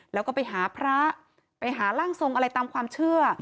แล้วก็ไปหาพระไปหาร่างทรงอะไรตามความเชื่อ